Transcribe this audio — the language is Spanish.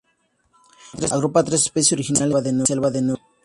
Agrupa a tres especies originarias de las selvas de Nueva Guinea.